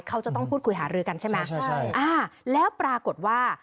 เขาจะต้องพูดคุยหารือกันใช่ไหมใช่อ่าแล้วปรากฏว่า